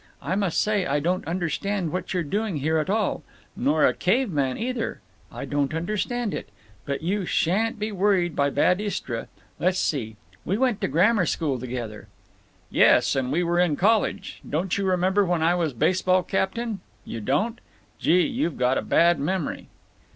I must say I don't understand what you're doing here at all…. Nor a caveman, either. I don't understand it…. But you sha'n't be worried by bad Istra. Let's see; we went to grammar school together." "Yes, and we were in college. Don't you remember when I was baseball captain? You don't? Gee, you got a bad memory!"